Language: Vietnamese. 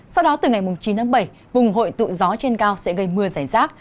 sau đó từ ngày chín tháng bảy vùng hội tụ gió trên cao sẽ gây mưa dày rác